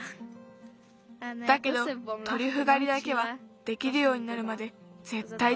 だけどトリュフがりだけはできるようになるまでぜったいつづける。